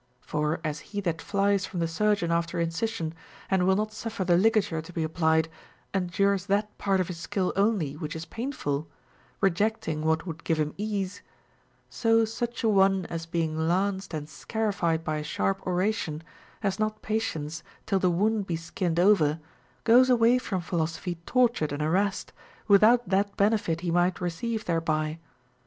For as he that flies from the surgeon after incision, and will not suffer the ligature to be applied, endures that part of his skill only Avhich is painful, rejecting what would give him ease ; so such a one as being lanced and scarified by a sharp ora tion has not patience till the wound be skinned over, goes away from philosophy tortured and harassed, without that benefit he might receive thereby.